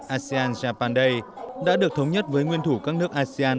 asean japan day đã được thống nhất với nguyên thủ các nước asean